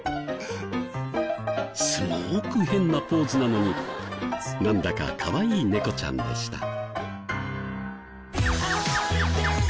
すごーく変なポーズなのになんだかかわいい猫ちゃんでした。